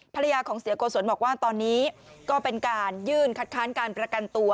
ภรรยาของเสียโกศลบอกว่าตอนนี้ก็เป็นการยื่นคัดค้านการประกันตัว